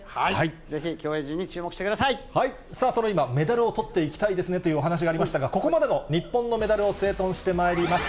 ぜひ競泳陣に注目してくだささあ、そのメダルをとっていきたいですねというお話がありましたが、ここまでの日本のメダルを整頓してまいります。